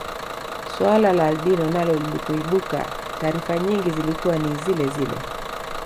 Swala la albino nalo lilipoibuka taarifa nyingi zilikuwa ni zilezile